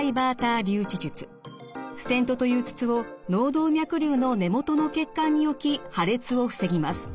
ステントという筒を脳動脈瘤の根元の血管に置き破裂を防ぎます。